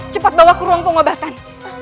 cepat bawa ke ruang pengobatan